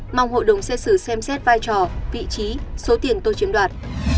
mong hội đồng xét xử xem xét vai trò vị trí số tiền tôi chiếm đoạt